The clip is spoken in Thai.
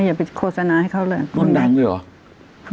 ไม่ไปโฆษณาให้เขาเลยรถนั้นเลยหรอ